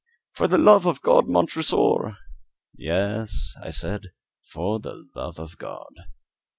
"For the love of God, Montresor!" "Yes," I said, "for the love of God!"